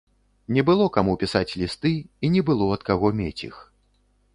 Не было каму пісаць лісты і не было ад каго мець іх.